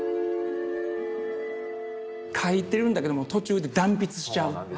描いてるんだけども途中で断筆しちゃう。